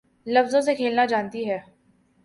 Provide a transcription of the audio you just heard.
لفظوں سے کھیلنا جانتی ہے